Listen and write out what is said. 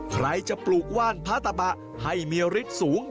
ใครจะปลูกว่านพระตะบะให้มีฤทธิ์สูง